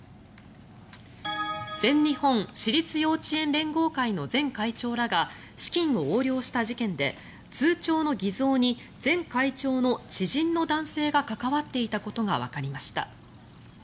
全日本私立幼稚園連合会の前会長らが資金を横領した事件で通帳の偽造に前会長の知人の男性が関わっていたことがわかりました。